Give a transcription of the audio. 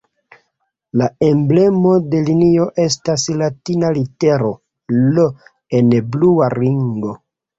La emblemo de linio estas latina litero "I" en blua ringo.